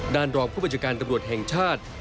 ด้านรองผู้บัจจักรกำรวจแห่งชาติ